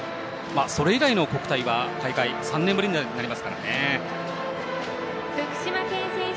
それ以外の国体は大会３年ぶりになりますからね。